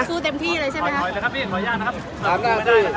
สู้เต็มที่เลยใช่มั้ยคะ